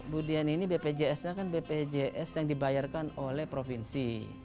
bu dian ini bpjs nya kan bpjs yang dibayarkan oleh provinsi